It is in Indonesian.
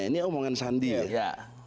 ini omongan sandi ya